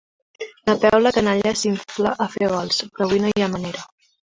Napeu la canalla s'infla a fer gols, però avui no hi ha manera.